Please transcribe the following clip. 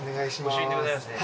御朱印でございますね。